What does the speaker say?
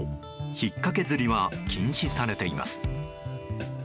引っ掛け釣りは禁止されています。